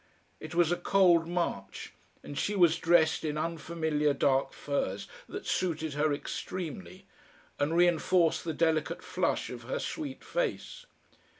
It was a cold March, and she was dressed in unfamiliar dark furs that suited her extremely and reinforced the delicate flush of her sweet face.